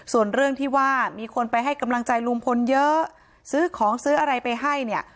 ส่วนเรื่องที่ว่ามีคนไปให้กำลังใจลุงพลเยอะซื้อของซื้ออะไรไปให้เนี่ย